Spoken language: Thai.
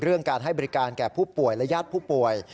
การให้บริการแก่ผู้ป่วยและญาติผู้ป่วย